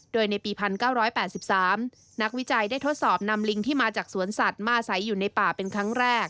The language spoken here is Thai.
โดยในปี๑๙๘๓นักวิจัยได้ทดสอบนำลิงที่มาจากสวนสัตว์มาใส่อยู่ในป่าเป็นครั้งแรก